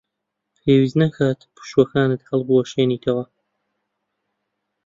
پێویست ناکات پشووەکەت هەڵبوەشێنیتەوە.